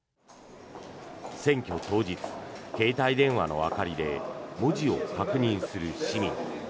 選挙当日、携帯電話の明かりで文字を確認する市民。